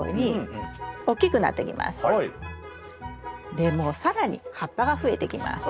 でも更に葉っぱが増えてきます。